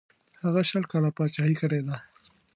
هغه شل کاله پاچهي کړې ده.